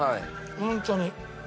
本当に。